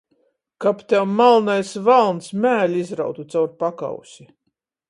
Kab tev malnais valns mēli izrautu caur pakausi!